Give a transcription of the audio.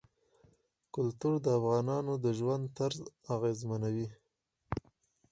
کلتور د افغانانو د ژوند طرز اغېزمنوي.